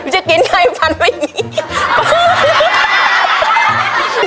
จะกินไงฟันไม่มี